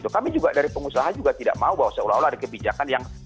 kami juga dari pengusaha juga tidak mau bahwa seolah olah ada kebijakan yang